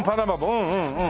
うんうんうん。